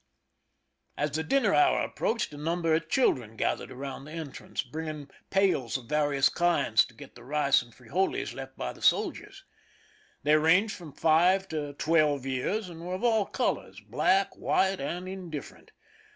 As the dinner hour approached, a number of children gathered about the entrance, bringing pails of various kinds to get the rice and frijoles left by the soldiers. They ranged from five to twelve years, and were of all colors, black, white, and indifferent.